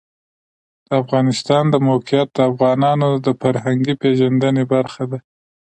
د افغانستان د موقعیت د افغانانو د فرهنګي پیژندنې برخه ده.